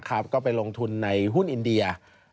ก็ไปลงทุนในหุ้นอินเดีย